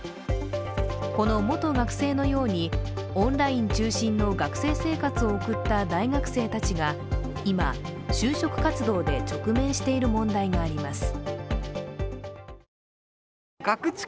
この元学生のように、オンライン中心の学生生活を送った大学生たちが今、就職活動で直面している問題があります。